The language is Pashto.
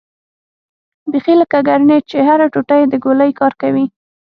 بيخي لکه ګرنېټ چې هره ټوټه يې د ګولۍ کار کوي.